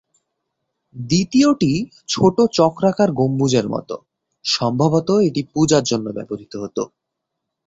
দ্বিতীয়টি ছোট চক্রাকার গম্বুজের মত, সম্ভবত এটি পূজার জন্য ব্যবহৃত হত।